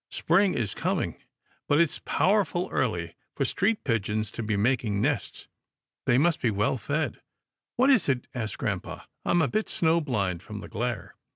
Spring is coming, but it's powerful early for street pigeons to be making nests. They must be well fed." " What is it? " asked grampa. " I'm a bit snow blind from the glare."